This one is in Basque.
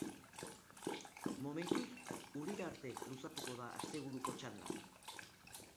Momentuz urrira arte luzatuko da asteburuko txanda.